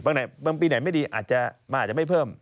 บางปีไหนไม่ดีอาจจะมันอาจจะไม่เพิ่ม